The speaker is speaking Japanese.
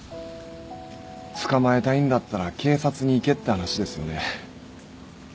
捕まえたいんだったら警察に行けって話ですよね。